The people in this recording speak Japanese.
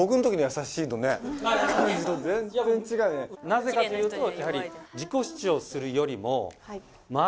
なぜかというとやはり。